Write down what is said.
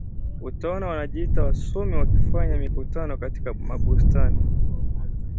Utaona wanajiita wasomi wakifanya mikutano katika mabustani